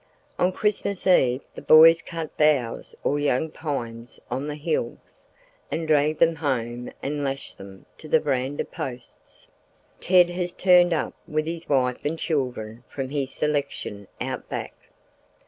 On Christmas Eve the boys cut boughs or young pines on the hills, and drag them home and lash them to the veranda posts. Ted has turned up with his wife and children from his selection out back.